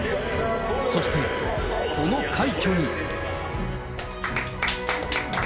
そしてこの快挙に。